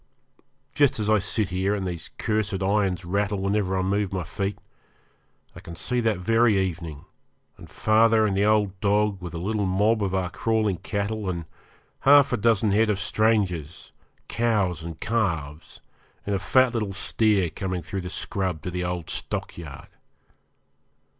Just as I sit here, and these cursed irons rattle whenever I move my feet, I can see that very evening, and father and the old dog with a little mob of our crawling cattle and half a dozen head of strangers, cows and calves, and a fat little steer coming through the scrub to the old stockyard.